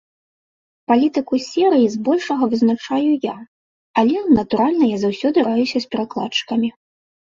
Палітыку серыі збольшага вызначаю я, але, натуральна, я заўсёды раюся з перакладчыкамі.